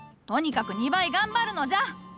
とにかく２倍頑張るのじゃ！